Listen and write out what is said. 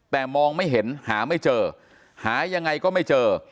แต่มองไม่เห็นหาไม่เจอหายังไงก็ไม่เจอ